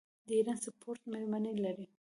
د ایران سپورټ میرمنې لري.